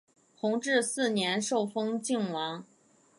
弘治四年受封泾王。